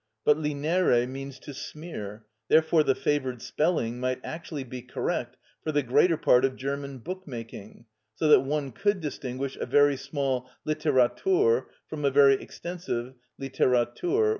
But linere means to smear; therefore the favoured spelling might actually be correct for the greater part of German bookmaking; so that one could distinguish a very small "Litteratur" from a very extensive "_Literatur.